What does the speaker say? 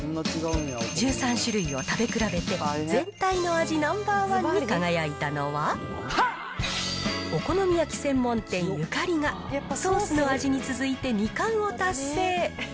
１３種類を食べ比べて、全体の味ナンバー１に輝いたのは、お好み焼き専門店、ゆかりがソースの味に続いて２冠を達成。